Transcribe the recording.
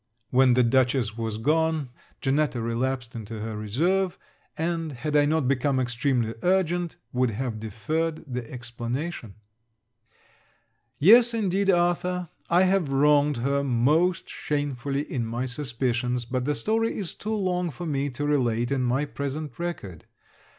When the Dutchess was gone, Janetta relapsed into her reserve; and, had I not become extremely urgent, would have deferred the explanation. Yes, indeed, Arthur, I have wronged her most shamefully in my suspicions, but the story is too long for me to relate in my present record.